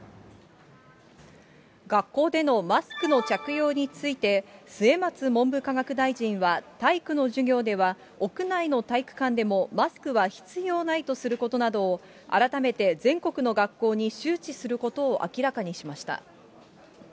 学校でのマスクの着用について、末松文部科学大臣は、体育の授業では屋内の体育館でもマスクは必要ないとすることなどを、改めて全国の学校に周知することを明らかにしました。